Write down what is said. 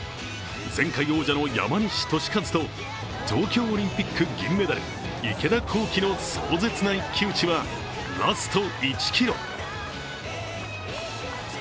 前回王者の山西利和と東京オリンピック銀メダル・池田向希の壮絶な一騎打ちはラスト１ｋｍ。